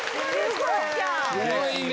すごいね！